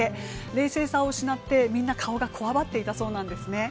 冷静さを失ってみんな顔がこわばっていたそうなんですね。